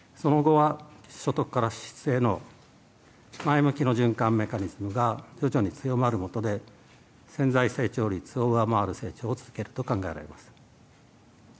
その後は、前向きの循環メカニズムが徐々に強まることで、潜在成長率を上回る成長を続けると考えられます。